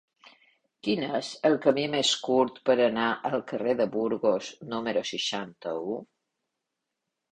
Quin és el camí més curt per anar al carrer de Burgos número seixanta-u?